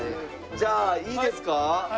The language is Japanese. じゃあいいですか？